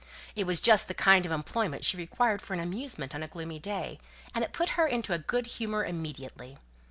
It was just the kind of employment she required for an amusement on a gloomy day, and it put her into a good humour immediately.